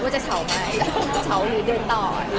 จะเฉาหรือเดินต่อ